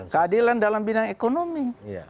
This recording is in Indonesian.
keadilan dalam bidang ekonomi